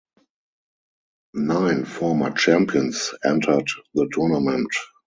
Nine former champions entered the tournament.